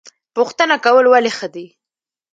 پوښتنه کول ولې ښه دي؟